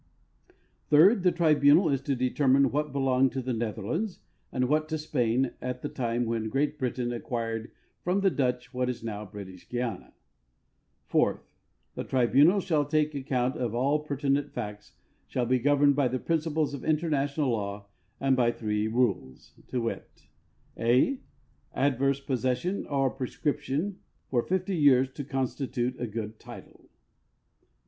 Third. The tribunal is to determine what belonged to the Netherlands and Avhat to Spain at the time when Great Britain acquired from the Dutch what is now British Guiana. Fourth. The tribunal shall take account of all pertinent facts, shall be governed by the principles of international law, and b}'' three rules, viz : (a) Adverse possession or prescription for 50 j^ears to consti tute a good title.